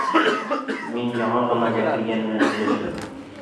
Мин яңы ғына Зәкирйән менән һөйләштем.